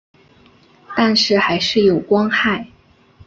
但是还是有光害